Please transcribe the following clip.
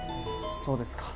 そうですか。